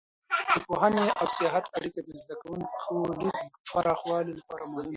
د پوهنې او سیاحت اړیکه د زده کوونکو د لید پراخولو لپاره مهمه ده.